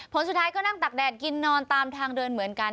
ผลสุดท้ายก็นั่งตักแดดกินนอนตามทางเดินเหมือนกัน